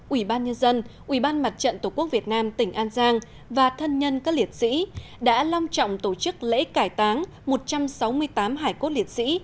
ubnd ubnd tổ quốc việt nam tỉnh an giang và thân nhân các liệt sĩ đã long trọng tổ chức lễ cải táng một trăm sáu mươi tám hải cốt liệt sĩ